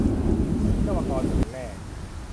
วิศวกรเหมือนแร่